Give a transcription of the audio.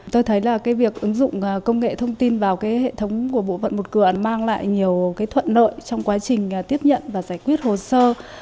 tôi thấy việc ứng dụng công nghệ thông tin vào hệ thống của bộ phận một cửa mang lại nhiều thuận lợi trong quá trình tiếp nhận và giải quyết hồ sơ